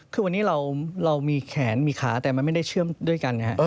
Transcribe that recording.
คือวันนี้เรามีแขนมีขาแต่มันไม่ได้เชื่อมด้วยกันไงฮะ